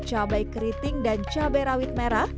cabai keriting dan cabai rawit merah